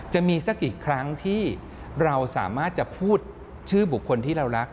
จะมีสักกี่ครั้งที่เราสามารถจะพูดชื่อบุคคลที่เรารัก